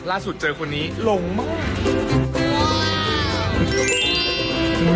ล่าสุดเจอคนนี้หลงมาก